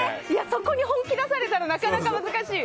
そこに本気出されたらなかなか難しい。